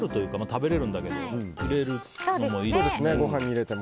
食べれるんだけど入れるのもいいね。